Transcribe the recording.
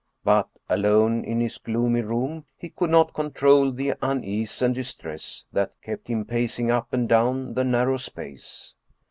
But alone in his gloomy room he could not control the unease and distress that kept him pacing up and down the narrow space.